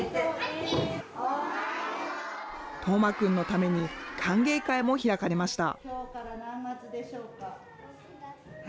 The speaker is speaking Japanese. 叶真くんのために歓迎会も開かれました。